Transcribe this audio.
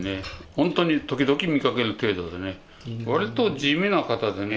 本当に時々見かける程度でね、わりと地味な方でね。